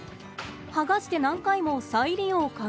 剥がして何回も再利用可能。